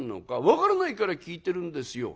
「分からないから聞いてるんですよ」。